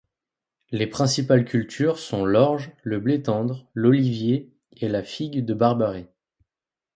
Les principales cultures sont l'orge, le blé tendre, l'olivier et la figue de barbarie.